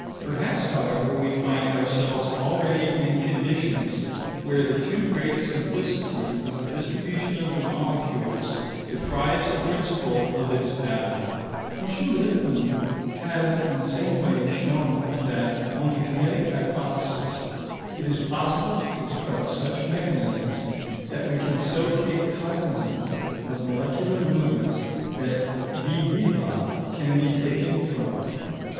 Perhaps, however, we find ourselves already in conditions where the too great simplicity of the distribution of the molecules deprives the principle of its value. M. Lippmann has in the same way shown that, on the kinetic hypothesis, it is possible to construct such mechanisms that we can so take cognizance of molecular movements that vis viva can be taken from them.